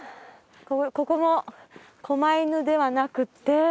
ここも狛犬ではなくて。